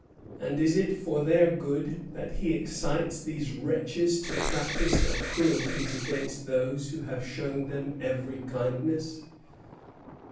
and is it for their good that he excites these wretches to practise their cruelties against those who have shown them every kindness?